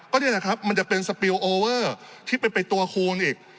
ก็นี่แหละครับมันจะเป็นที่เป็นเป็นตัวคูณอีก